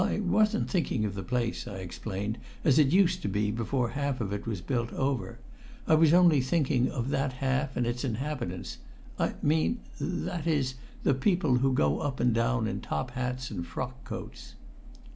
"I wasn't thinking of the place," I explained, "as it used to be before half of it was built over. I was only thinking of that half and its inhabitants I mean that is the people who go up and down in top hats and frock coats!"